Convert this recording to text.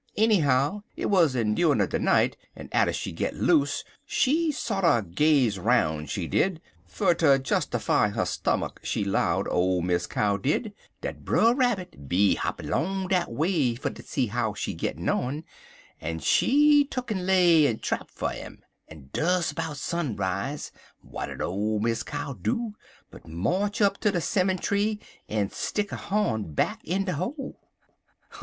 Anyhow hit wuz endurin' er de night, en atter she git loose she sorter graze 'roun', she did, fer ter jestify 'er stummuck she low'd, ole Miss Cow did, dat Brer Rabbit be hoppin' long dat way fer ter see how she gittin' on, en she tuck'n lay er trap fer 'im; en des 'bout sunrise w'at'd ole Miss Cow do but march up ter de 'simmon tree en stick er horn back in de hole?